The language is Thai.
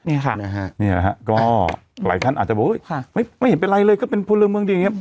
นี่ค่ะนะฮะนี่แหละฮะก็หลายท่านอาจจะบอกค่ะไม่เห็นเป็นไรเลยก็เป็นพลเมืองดีอย่างเงี้